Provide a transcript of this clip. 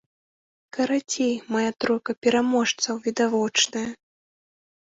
Карацей, мая тройка пераможцаў відавочная.